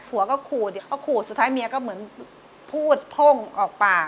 หัวก็ขู่เดี๋ยวก็ขู่สุดท้ายเมียก็เหมือนพูดโพ่งออกปาก